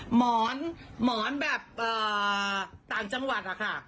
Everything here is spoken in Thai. หมอนหมอนแบบต่างจังหวัดอะค่ะ